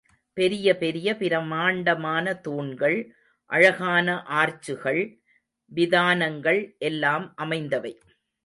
பெரிய பெரிய பிரமாண்டமான தூண்கள், அழகான ஆர்ச்சுகள், விதானங்கள் எல்லாம் அமைந்தவை.